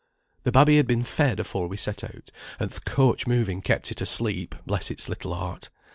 "The babby had been fed afore we set out, and th' coach moving kept it asleep, bless its little heart.